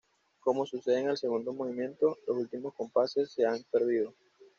Como sucede en el segundo movimiento, los últimos compases se han perdido.